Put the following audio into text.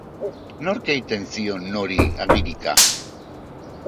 Nork egiten zion nori agirika?